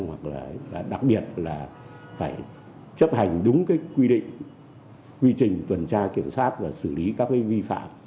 hoặc là đặc biệt là phải chấp hành đúng cái quy định quy trình tuần tra kiểm soát và xử lý các cái vi phạm